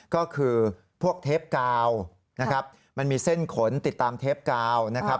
ก็คือพวกเทปกาวนะครับมันมีเส้นขนติดตามเทปกาวนะครับ